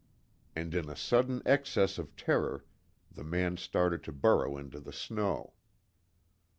and in a sudden excess of terror, the man started to burrow into the snow.